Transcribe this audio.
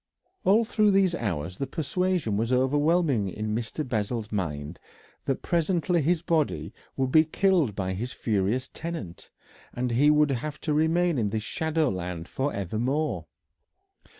All through those hours the persuasion was overwhelming in Mr. Bessel's mind that presently his body would be killed by his furious tenant, and he would have to remain in this shadow land for evermore.